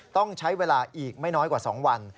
ต้องใช้เวลาอีกไม่น้อยกว่า๒วัน